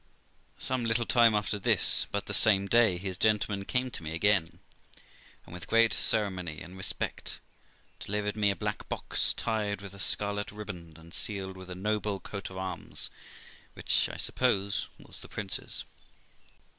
Some little time after this, but the same day, his gentleman came to me again, and with great ceremony and respect, delivered me a black box tied with a scarlet riband and sealed with a noble coat of arms, which, I sup pose, was the prince's.